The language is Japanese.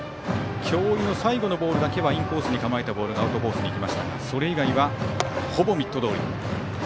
京井の最後のボールだけはインコースに構えたボールがアウトコースにいきましたがそれ以外はほぼミットどおり。